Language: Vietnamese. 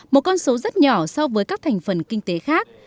một con số rất nhỏ so với các thành phần kinh tế khác